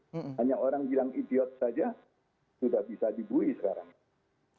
hanya orang bilang idiot saja sudah bisa dibully sekarang